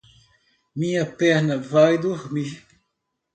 Minha perna vai dormir.